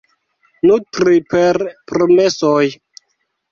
Nutri per promesoj.